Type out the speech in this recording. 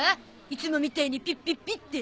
いつもみたいにピッピッピッて。